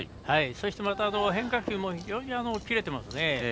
そして、変化球も非常に切れてますね。